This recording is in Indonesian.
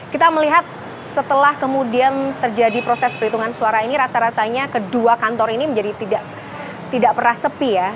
kita melihat setelah kemudian terjadi proses perhitungan suara ini rasa rasanya kedua kantor ini menjadi tidak pernah sepi ya